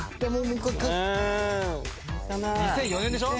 ２００４年でしょ。